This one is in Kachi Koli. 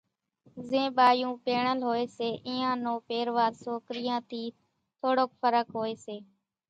زين ٻايوُن پيڻل هوئيَ سي اينيان نو پيرواۿ سوڪريان ٿِي ٿوڙوڪ ڦرق هوئيَ سي۔